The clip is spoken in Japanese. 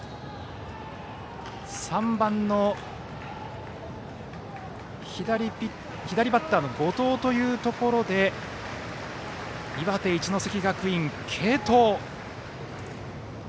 ３番の左バッターの後藤というところで岩手・一関学院、継投。